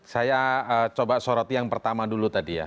saya coba soroti yang pertama dulu tadi ya